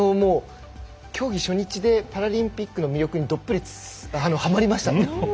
競技初日でパラリンピックの魅力にどっぷりはまりました。